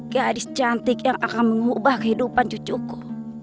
gadis cantik yang akan mengubah kehidupan cucuku